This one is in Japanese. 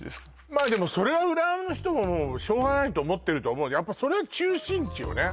まあでもそれは浦和の人もしょうがないと思ってると思うよやっぱそれは中心地よね